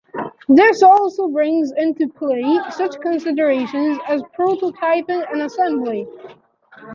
This also brings into play such considerations as prototyping and assembly.